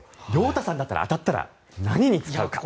亮太さんだったら当たったら何に使うか。